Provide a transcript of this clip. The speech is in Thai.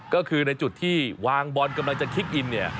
ก็คือในจุดที่วางบอลกำลังจะคลิกอินเนี่ย